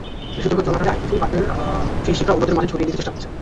নিষেধাজ্ঞা চলাকালে আইসিসি বাটের সেই শিক্ষা অন্যদের মাঝে ছড়িয়ে দিতে চেষ্টা করেছে।